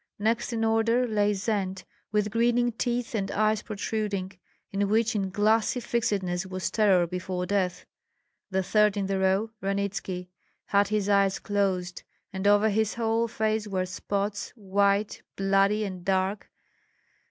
Next in order lay Zend, with grinning teeth and eyes protruding, in which in glassy fixedness was terror before death. The third in the row, Ranitski, had his eyes closed, and over his whole face were spots, white, bloody, and dark.